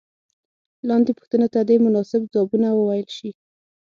لاندې پوښتنو ته دې مناسب ځوابونه وویل شي.